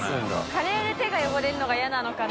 カレーで手が汚れるのが嫌なのかな？